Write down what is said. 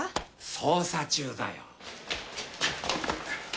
捜査中だよ。